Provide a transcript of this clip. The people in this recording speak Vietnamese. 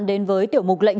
đến với tiểu mục lệnh